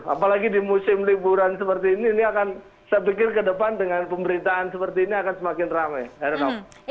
apalagi di musim liburan seperti ini ini akan saya pikir ke depan dengan pemberitaan seperti ini akan semakin ramai heranov